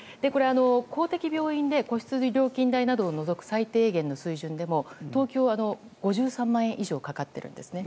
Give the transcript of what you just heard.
公的病院で個室料金代などを除く最低限の水準でも東京は５３万円以上かかってるんですね。